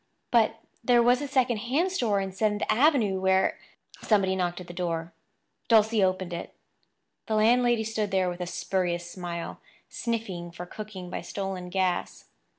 But there was a second hand store in Seventh Avenue where— Somebody knocked at the door. Dulcie opened it. The landlady stood there with a spurious smile, sniffing for cooking by stolen gas.